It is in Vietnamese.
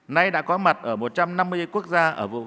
nay đã có mặt ở một trăm năm mươi quốc gia